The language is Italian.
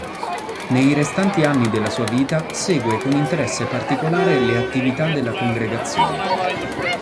Nei restanti anni della sua vita segue con interesse particolare le attività della Congregazione.